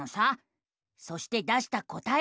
そして出した答えは。